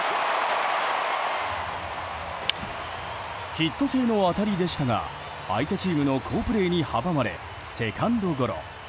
ヒット性の当たりでしたが相手チームの好プレーに阻まれセカンドゴロ。